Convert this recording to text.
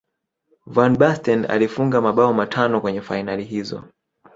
van basten alifunga mabao matano kwenye fainali hizo